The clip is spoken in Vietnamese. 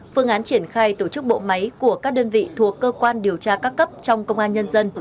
phương án triển khai tổ chức bộ máy của các đơn vị thuộc cơ quan điều tra các cấp trong công an nhân dân